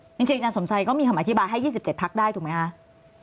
จริงอาจารย์สมชัยก็มีคำอธิบายให้๒๗พักได้ถูกไหมคะ